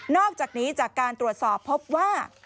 อกจากนี้จากการตรวจสอบพบว่า